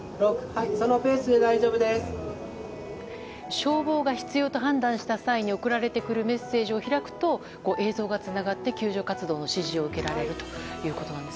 消防が必要と判断した際に送られてくるメッセージを開くと映像がつながって救助活動の指示を受けられるんです。